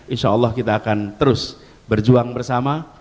insya allah kita akan terus berjuang bersama